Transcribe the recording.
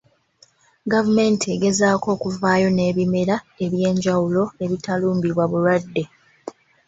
Gavumenti egezaako okuvaayo n'ebimera eby'enjawulo ebitalumbibwa bulwadde.